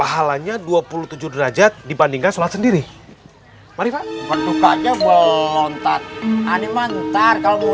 hanya dua puluh tujuh derajat dibandingkan sholat sendiri manfaat bentuk aja belontat animantar kalau mau